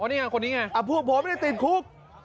นี่ไงคนนี้ไงพวกผมไม่ได้ติดคุก